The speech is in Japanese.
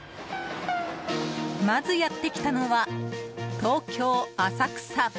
まず、やってきたのは東京・浅草。